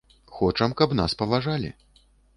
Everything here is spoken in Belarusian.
Хочам, каб нас паважалі.